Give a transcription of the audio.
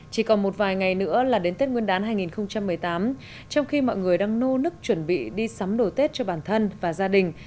chỉ còn một vài ngày nữa là đến tết nguyên đán hai nghìn một mươi tám trong khi mọi người đang nô nức chuẩn bị đi sắm đồ tết cho bản thân và gia đình